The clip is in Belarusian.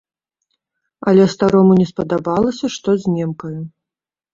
Але старому не спадабалася, што з немкаю.